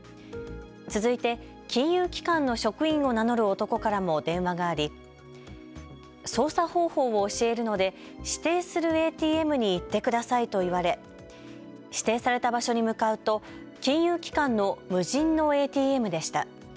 続いて金融機関の職員を名乗る男からも電話があり操作方法を教えるので指定するＡＴＭに行ってくださいと言われ指定された場所に向かうと金融機関の無人のＡＴＭでした。